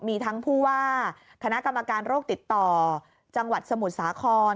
มีทั้งผู้ว่าคณะกรรมการโรคติดต่อจังหวัดสมุทรสาคร